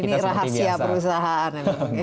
ini rahasia perusahaan